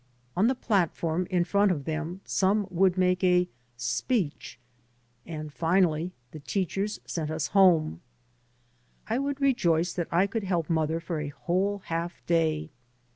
On the platform, in front of them, some one would make a *' speech." And finally the teachers sent us home. I would rejoice that I could help mother for a whole half day.